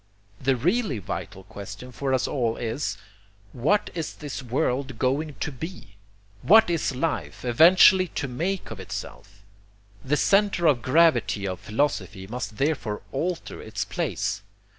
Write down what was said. The really vital question for us all is, What is this world going to be? What is life eventually to make of itself? The centre of gravity of philosophy must therefore alter its place.